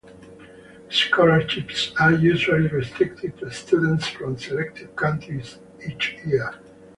Scholarships are usually restricted to students from selected countries each year.